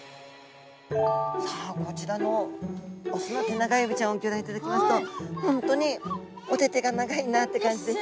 さあこちらの雄のテナガエビちゃんをギョ覧いただきますと本当にお手手が長いなって感じですよね。